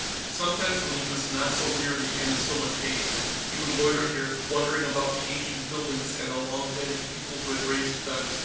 Sometimes, when he was not so weary and in so much haste, he would loiter here, wondering about the ancient buildings and the long vanished people who had raised them.